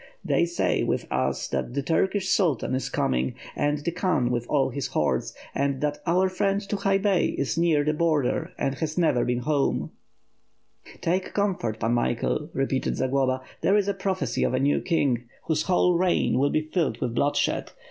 "They say, with us, that the Turkish Sultan is coming; and the Khan with all his hordes; and that our friend Tukhay Bey is near the border and has never been home." WITH FIRE AND SWORD, 523 "Take comfort, Pan Michael/ 'repeated Zagloba, "there is a prophesy of a new king, whose whole reign will be filled with bloodshed.